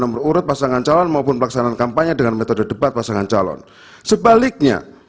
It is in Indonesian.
nomor urut pasangan calon maupun pelaksanaan kampanye dengan metode debat pasangan calon sebaliknya